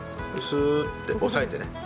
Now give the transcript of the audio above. スーッて抑えてね。